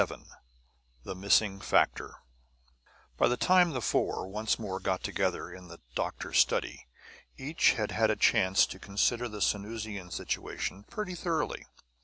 VII THE MISSING FACTOR By the time the four once more got together in the doctor's study, each had had a chance to consider the Sanusian situation pretty thoroughly.